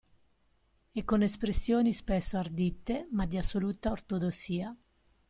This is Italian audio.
E con espressioni spesso ardite ma di assoluta ortodossia.